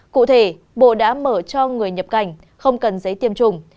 cụ thể bộ đã mở cho người nhập cảnh không cần giấy tiêm chủng